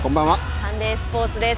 サンデースポーツです。